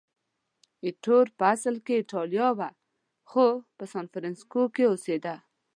ایټور په اصل کې د ایټالیا و، خو په سانفرانسیسکو کې اوسېده.